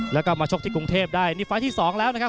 แล้วก็มาชกที่กรุงเทพได้นี่ไฟล์ที่สองแล้วนะครับ